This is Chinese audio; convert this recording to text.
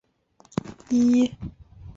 他曾经是英国体操国家队的成员。